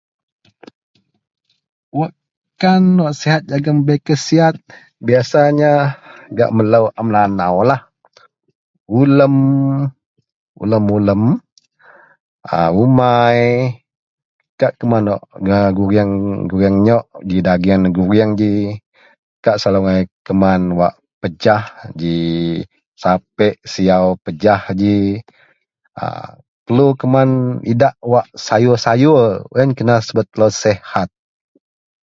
Wakkan wak sihat jegem bei hasiat biyasanya gak melou a Melanaulah, ulem, ulem-ulem, a umai. Kak keman wak gurieng, gurieng nyok, ji dagieng negurieng ji. Kak selalu angai keman wak pejah ji sapek, siyau pejah ji. A perelu keman idak wak sayour-sayuor wak yen kena subet kelou sihat.